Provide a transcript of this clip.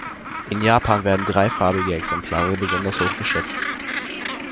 In Japan werden dreifarbige Exemplare besonders hoch geschätzt.